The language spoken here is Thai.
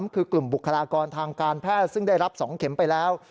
คือกลุ่มบุคลากรทางการแพทย์ซึ่งได้รับ๒เข็มไปแล้ว